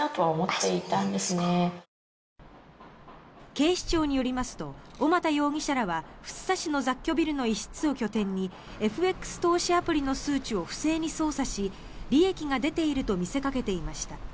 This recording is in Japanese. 警視庁によりますと小俣容疑者らは福生市の雑居ビルの一室を拠点にＦＸ投資アプリの数値を不正に操作し利益が出ていると見せかけていました。